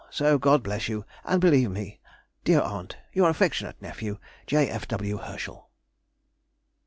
So God bless you, and believe me, Dear Aunt, your affectionate nephew, J. F. W. HERSCHEL.